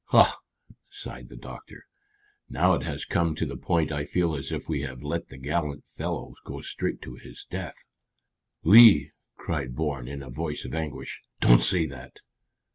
"Hah!" sighed the doctor. "Now it has come to the point I feel as if we have let the gallant fellow go straight to his death." "Lee!" cried Bourne in a voice of anguish. "Don't say that!"